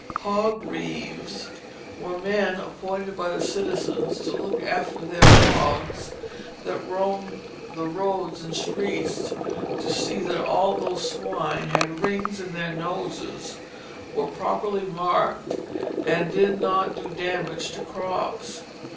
Hog reeves were men appointed by the citizens to look after their hogs that roamed the roads and streets, to see that all those swine had rings in their noses, were properly marked, and did not do damage to crops.